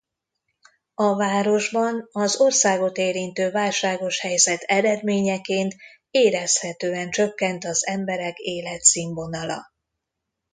A városban az országot érintő válságos helyzet eredményeként érezhetően csökkent az emberek életszínvonala.